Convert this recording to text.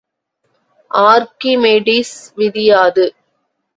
Archimedes விதி யாது?